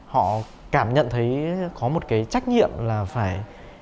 họ cảm nhận thấy có một cái trách nhiệm là phải